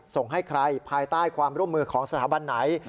ส่งให้ใครภายใต้ความร่วมมือของสถาบันไหน